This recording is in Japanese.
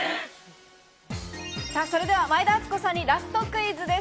それでは前田敦子さにラストクイズです。